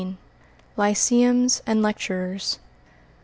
LYCEUMS AND LECTURERS.